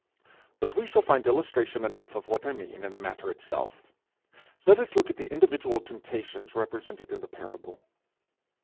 But we shall find illustration enough of what I mean in the matter itself. Let us look at the individual temptations represented in the parable.